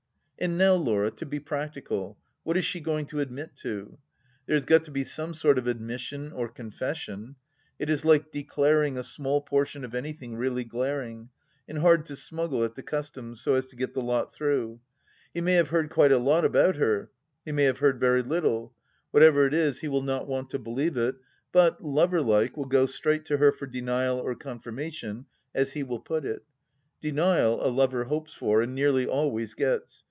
And now, Laura, to be practical, what is she going to admit to ? There has got to be some sort of admission or confession. It is like " declaring " a small portion of any thing really glaring, and hard to smuggle at the Customs, so as to get the lot through. He may have heard quite a lot about her ; he may have heard very little ! Whatever it is, he will not want to believe it, but, lover like, will go straight to her for denial or confirmation, as he will put it. Denial a lover hopes for, and nearly always gets.